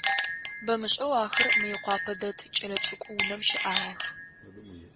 Бэмышӏэу ахэр Мыекъуапэ дэт кӏэлэцӏыкӏу унэм щыӏагъэх.